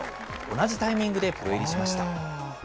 同じタイミングでプロ入りしました。